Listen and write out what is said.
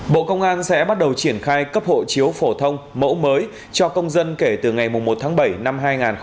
bộ công an sẽ bắt đầu triển khai cấp hộ chiếu phổ thông mẫu mới cho công dân kể từ ngày một tháng bảy năm hai nghìn hai mươi